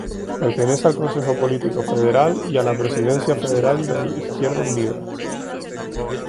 Pertenece al Consejo Político Federal y a la presidencia federal de Izquierda Unida.